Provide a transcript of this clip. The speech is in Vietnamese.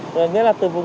để kiểm tra vào từng vùng